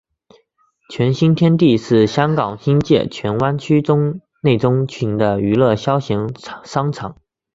荃新天地是香港新界荃湾区内中型的娱乐消闲商场。